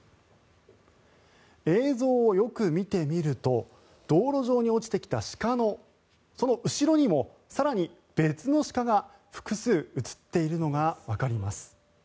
映像をよく見てみると道路上に落ちてきた鹿のその後ろにも更に別の鹿が複数映っているのがわかります。